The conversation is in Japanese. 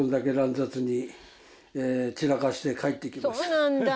そうなんだ